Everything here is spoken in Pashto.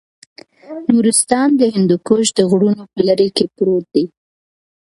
نورستان د هندوکش د غرونو په لړۍ کې پروت دی.